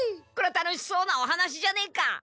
これは楽しそうなお話じゃねえか！